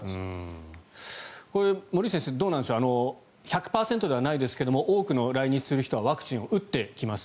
森内先生、どうなんでしょう１００％ではないですが多くの来日する人はワクチンを打って来ます。